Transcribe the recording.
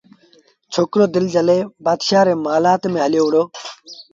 ڇوڪرو دل جھلي بآدشآ ريٚ مآلآت ميݩ هليو وهُڙو